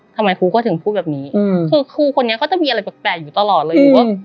ทำไมครูก็ถึงผู้แบบนี้อืมคือครูคนนี้ก็จะมีอะไรแปลกอยู่ตลอดเลย